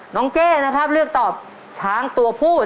เจ๊นะครับเลือกตอบช้างตัวผู้